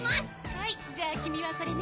はいじゃあ君はこれね。